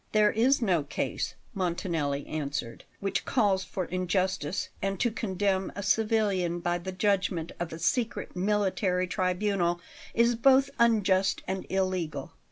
"There is no case," Montanelli answered, "which calls for injustice; and to condemn a civilian by the judgment of a secret military tribunal is both unjust and illegal."